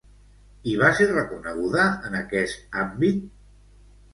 I va ser reconeguda en aquest àmbit?